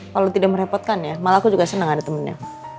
kalau tidak merepotkan ya malah aku juga senang ada temennya